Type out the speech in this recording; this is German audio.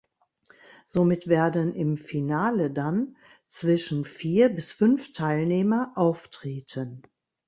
Somit werden im Finale dann zwischen vier bis fünf Teilnehmer auftreten.